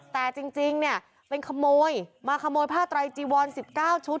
แต่จริงเนี่ยเป็นขโมยมาขโมยผ้าไตรจีวอน๑๙ชุด